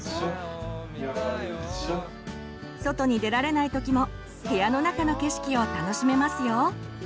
外に出られない時も部屋の中の景色を楽しめますよ。